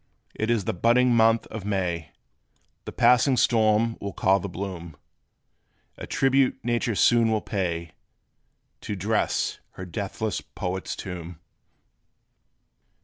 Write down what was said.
It is the budding month of May: This passing storm will call the bloom A tribute nature soon will pay, To dress her deathless Poet's tomb.